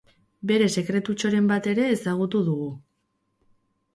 Bere sekretutxoren bat ere ezagutu dugu.